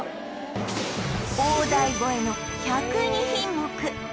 大台超えの１０２品目